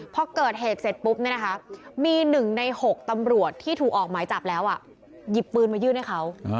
เพราะเกิดเหตุเสร็จปุ๊บมีหนึ่งใน๖ตำรวจที่ถูกออกหมายจับแล้วอ่ะหยิบปืนไปยืนให้เขา